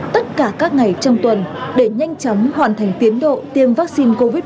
tất cả các ngày trong tuần để nhanh chóng hoàn thành tiến độ tiêm vaccine covid một mươi chín